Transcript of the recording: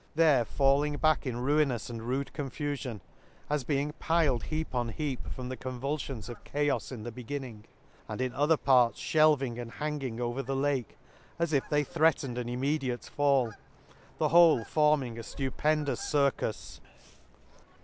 133 there falling back in ruinous and rude eonfufion, as being piled heap on heap from the convulfions of chaos in the be ginning ; and in other parts fhelving and hanging over the Lake, as if they threat ened an immediate fall ;— the whole forming a flupendous circus.